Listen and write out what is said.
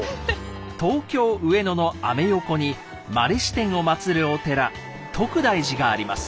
東京・上野のアメ横に「摩利支天」を祀るお寺徳大寺があります。